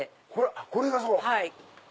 これがそう⁉